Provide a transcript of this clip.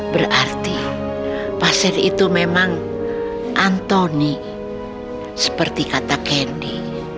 berarti pak sher itu memang anthony seperti kata kenny